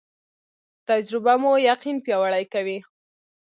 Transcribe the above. تجربه مو یقین پیاوړی کوي